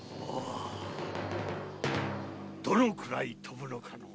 どのくらい飛ぶ？